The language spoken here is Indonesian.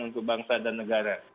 untuk bangsa dan negara